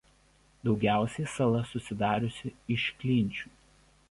Daugiausiai sala susidariusi iš klinčių.